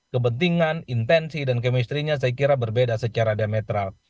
kepentingan intensi dan kemistrinya saya kira berbeda secara diametral